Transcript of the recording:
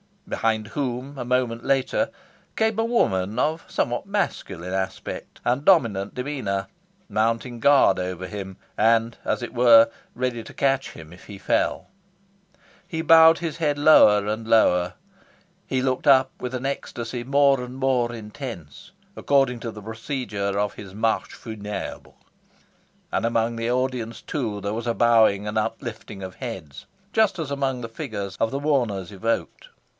Behind whom, a moment later, came a woman of somewhat masculine aspect and dominant demeanour, mounting guard over him, and, as it were, ready to catch him if he fell. He bowed his head lower and lower, he looked up with an ecstasy more and more intense, according to the procedure of his Marche Funebre. And among the audience, too, there was a bowing and uplifting of heads, just as among the figures of the mourners evoked.